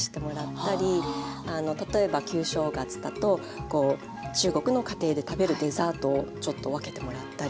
例えば旧正月だと中国の家庭で食べるデザートをちょっと分けてもらったり。